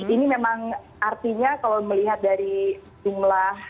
ini memang artinya kalau melihat dari jumlah penduduk indonesia